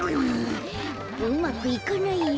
うまくいかないよ。